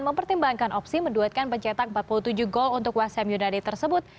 mempertimbangkan opsi menduetkan pencetak empat puluh tujuh gol untuk west ham united tersebut